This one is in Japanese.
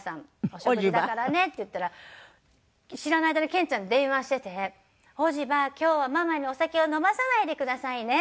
「お食事だからね」って言ったら知らない間に憲ちゃんに電話してて「おじば今日はママにお酒を飲まさないでくださいね」